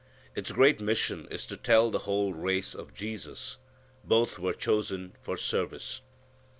Its great mission is to tell the whole race of Jesus. Both were chosen for service.